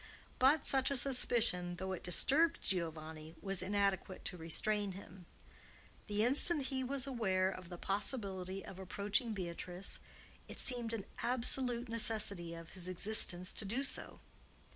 But such a suspicion, though it disturbed Giovanni, was inadequate to restrain him. The instant that he was aware of the possibility of approaching Beatrice, it seemed an absolute necessity of his existence to do so.